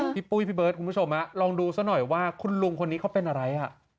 พี่ปุ้ยพี่เบิร์ดคุณผู้ชมลองดูซะหน่อยว่าคุณลุงคนนี้เขาเป็นอะไร